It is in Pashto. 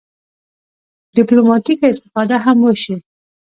ډیپلوماټیکه استفاده هم وشي.